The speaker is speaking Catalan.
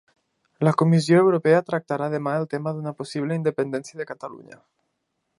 La Comissió Europea tractarà demà el tema d'una possible independència de Catalunya